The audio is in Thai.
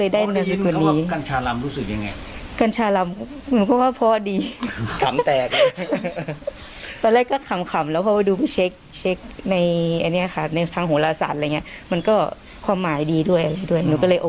เดี๋ยวไปฟังเสียงเขาหน่อย